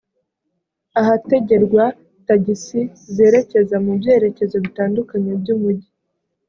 ahategerwaga tagisi zerekeza mu byerekezo bitandukanye by’umujyi